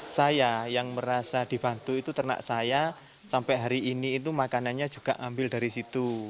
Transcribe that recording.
saya yang merasa dibantu itu ternak saya sampai hari ini itu makanannya juga ambil dari situ